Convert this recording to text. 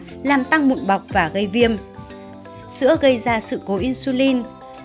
viêm sữa gây ra sự cố insulin